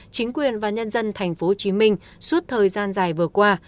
chính quyền và nhân dân tp hcm suốt thời gian dài vừa qua